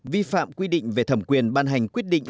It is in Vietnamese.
vi phạm quy định về thẩm quyền ban hành quyết định